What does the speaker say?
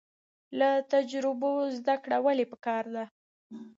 له تجربو زده کړه ولې پکار ده؟